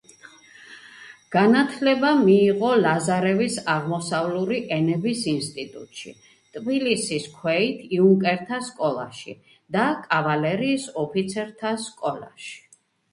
განათლება მიიღო ლაზარევის აღმოსავლური ენების ინსტიტუტში, ტფილისის ქვეით იუნკერთა სკოლაში და კავალერიის ოფიცერთა სკოლაში.